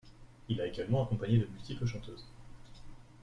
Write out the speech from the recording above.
Il a également accompagné de multiples chanteuses.